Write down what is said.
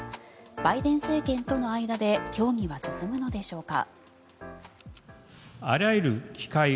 バイデン政権との間で協議は進むのでしょうか。